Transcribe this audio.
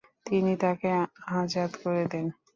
তিনি তাকে আযাদ করে দেন।